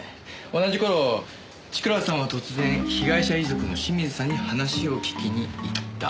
同じ頃千倉さんは突然被害者遺族の清水さんに話を聞きにいった。